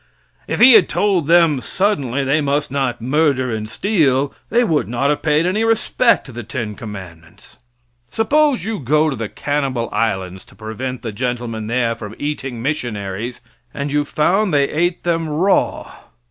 If He had told them suddenly they must not murder and steal, they would not have paid any respect to the ten commandments. Suppose you go to the Cannibal Islands to prevent the gentlemen there from eating missionaries, and you found they ate them raw.